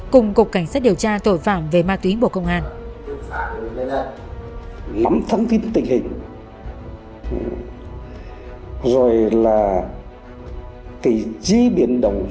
cùng cục cảnh sát điều tra tội phạm về ma túy bộ công an